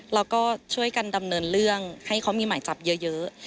แล้วก็ช่วยกันดำเนินเรื่องให้เขามีหมายจับเยอะ